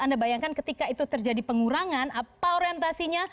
anda bayangkan ketika itu terjadi pengurangan apa orientasinya